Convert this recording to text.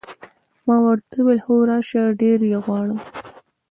ما ورته وویل: هو، راشه، ډېر یې غواړم.